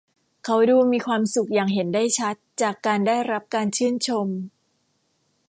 เขาดูมีความสุขอย่างเห็นได้ชัดจากการได้รับการชื่นชม